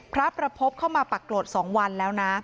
พระประพบเข้ามาปรากฏ๒วันแล้วนะ